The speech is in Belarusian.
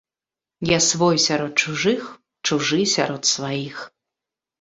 Я свой сярод чужых, чужы сярод сваіх.